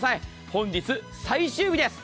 本日最終日です。